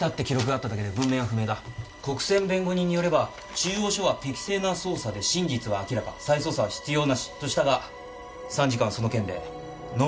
国選弁護人によれば中央署は適正な捜査で真実は明らか再捜査は必要なしとしたが参事官はその件で野本に接見に行ったらしい。